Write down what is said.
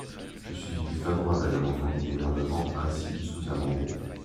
Je suis favorable à l’amendement du Gouvernement ainsi sous-amendé.